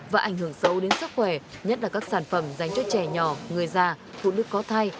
và ảnh hưởng sâu đến sức khỏe nhất là các sản phẩm dành cho trẻ nhỏ người già phụ nữ có thai